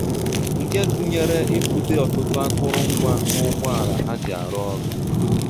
nke gụnyere itute ọtụtụ akụrụngwa na ụgbọala ha ji arụ ọrụ